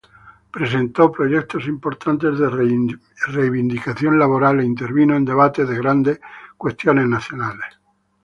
Presentó proyectos importantes de reivindicación laboral e intervino en debates de grandes cuestiones nacionales.